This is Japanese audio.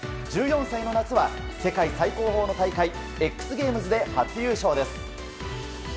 １４歳の夏は、世界最高峰の大会ＸＧＡＭＥＳで初優勝です。